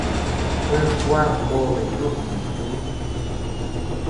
Kueʼëd kúad obe tú iʼyu.